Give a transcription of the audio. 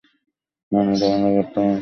মানে, ধারণা করতাম আরকি।